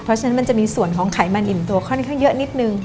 เพราะฉะนั้นมันจะมีส่วนของไขมันอิ่มตัวค่อนข้างเยอะนิดนึง